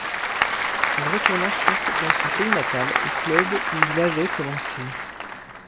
Il retourne ensuite dans son pays natal, au club où il avait commencé.